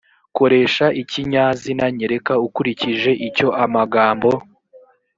koresha ikinyazina nyereka ukurikije icyo amagambo